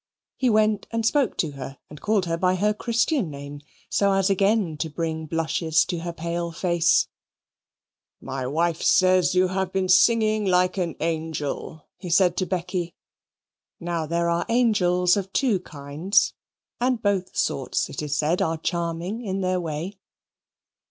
He went and spoke to her, and called her by her Christian name, so as again to bring blushes to her pale face "My wife says you have been singing like an angel," he said to Becky. Now there are angels of two kinds, and both sorts, it is said, are charming in their way.